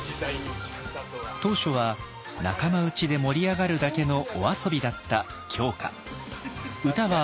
当初は仲間内で盛り上がるだけのお遊びだった狂歌。